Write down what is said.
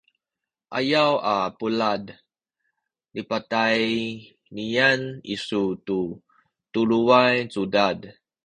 ayaw a bulad nipatayniyan isu tu tuluway cudad